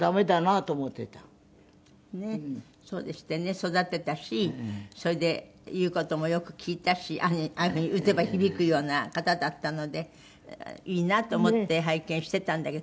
育てたしそれで言う事もよく聞いたしああいうふうに打てば響くような方だったのでいいなと思って拝見していたんだけど。